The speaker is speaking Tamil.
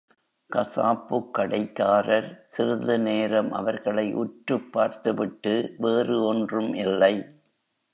கசாப்புக் கடைக்காரர் சிறிது நேரம் அவர்களை உற்றுப் பார்த்துவிட்டு, வேறு ஒன்றும் இல்லை.